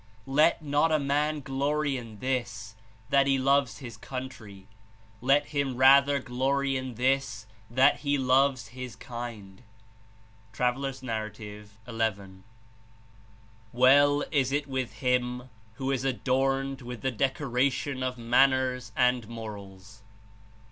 "Let not a man glory in this, that he loves his country; let him rather glory in this, that he loves his kind." (T. N. xi) "Well is it with him who is adorned with the decor ation of manners and morals."